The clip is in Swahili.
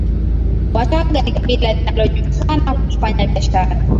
Wachagga ni kabila linalojulikana kwa kufanya biashara